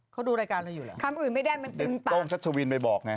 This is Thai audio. เขาดูรายการเราอยู่แล้วคำอื่นไม่ได้มันเป็นโต้งชัชวินไปบอกไง